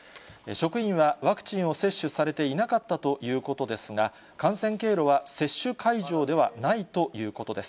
職員はワクチンを接種されていなかったということですが、感染経路は、接種会場ではないということです。